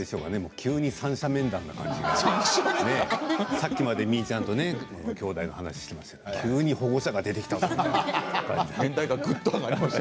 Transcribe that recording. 急に三者面談な感じがさっきまで、みーちゃんと話していましたが急に保護者が出てきたかと思いました。